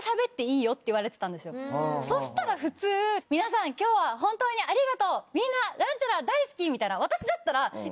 そしたら普通「皆さん今日はホントにありがとうみんな何ちゃら大好き」みたいな。